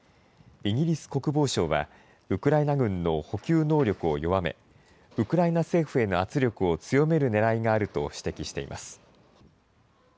イギリス国防省は、ウクライナ軍の補給能力を弱め、ウクライナ政府への圧力を強めるねらいがあると指摘しています。